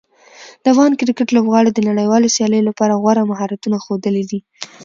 د افغان کرکټ لوبغاړو د نړیوالو سیالیو لپاره غوره مهارتونه ښودلي دي.